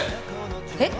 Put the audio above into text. えっ？